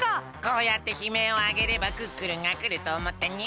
こうやってひめいをあげればクックルンがくるとおもったにゃん！